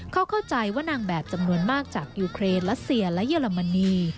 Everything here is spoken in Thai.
เขาเข้าใจว่านางแบบจำนวนมากจากยูเครนรัสเซียและเยอรมนี